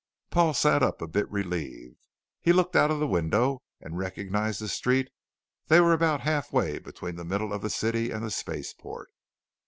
Paul sat up a bit relieved. He looked out of the window and recognized the street; they were about half way between the middle of the city and the spaceport.